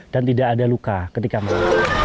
dan tidak ada luka ketika mampu